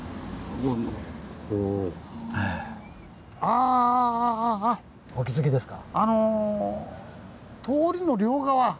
あああ！お気付きですか？